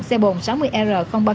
xe bồn sáu mươi r ba nghìn ba mươi hai